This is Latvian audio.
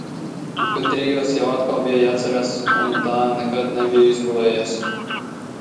Bet trijos jau atkal bija jāceļas un tā nekad nebiju izgulējies.